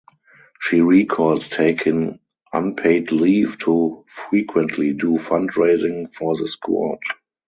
She recalls taking unpaid leave to frequently do fundraising for the squad.